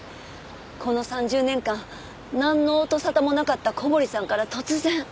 この３０年間なんの音沙汰もなかった小堀さんから突然。